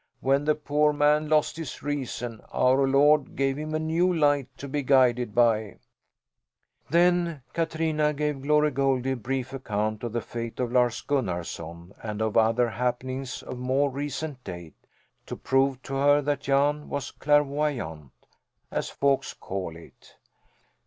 When the poor man lost his reason Our Lord gave him a new light to be guided by." Then Katrina gave Glory Goldie a brief account of the fate of Lars Gunnarson and of other happenings of more recent date, to prove to her that Jan was clairvoyant, as folks call it.